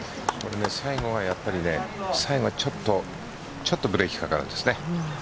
最後はやっぱりちょっとブレーキかかるんですね。